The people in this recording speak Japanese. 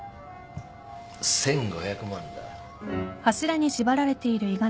１，５００万だ。